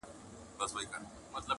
نه وي عشق کي دوې هواوي او یو بامه-